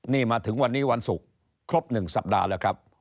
นี่มาถึงวันนี้วันศุกร์ครบ๑สัปดาห์แล้วครับ